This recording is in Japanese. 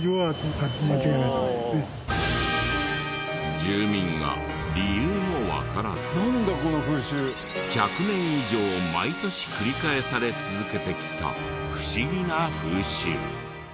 住民が理由もわからず１００年以上毎年繰り返され続けてきた不思議な風習。